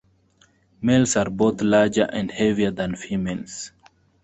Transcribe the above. Males are both larger and heavier than females.